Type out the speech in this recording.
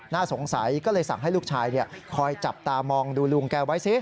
สงสัยก็เลยสั่งให้ลูกชายคอยจับตามองดูลุงแกไว้สิ